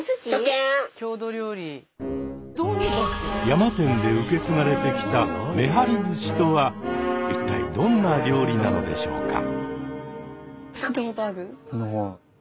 山天で受け継がれてきた「めはり寿司」とは一体どんな料理なのでしょうか。